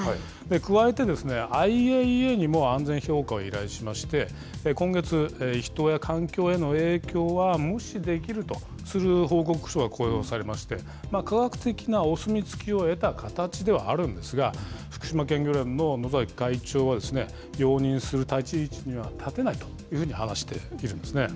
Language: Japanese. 加えて、ＩＡＥＡにも安全評価を依頼しまして、今月、人や環境への影響は無視できるとする報告書が公表されまして、科学的なお墨付きを得た形ではあるんですが、福島県漁連の野崎会長は、容認する立ち位置には立てないと話しているんですね。